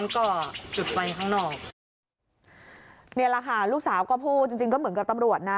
นี่แหละค่ะลูกสาวก็พูดจริงเหมือนกับตำรวจนะ